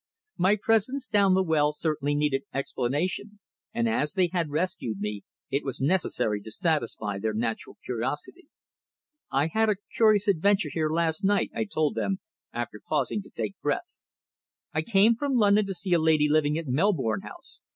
My presence down the well certainly needed explanation, and as they had rescued me, it was necessary to satisfy their natural curiosity. "I had a curious adventure here last night," I told them, after pausing to take breath. "I came from London to see a lady living at Melbourne House.